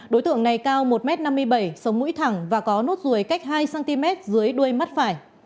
đối tượng này cao một m năm mươi bảy sống mũi thẳng và có nốt ruồi cách hai cm dưới đuôi mắt phải